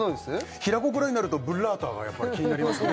平子ぐらいになるとブッラータがやっぱり気になりますね